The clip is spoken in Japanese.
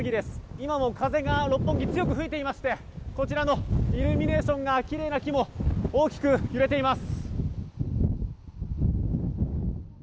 今も風が六本木、強く吹いていましてこちらのイルミネーションがきれいな木も大きく揺れています。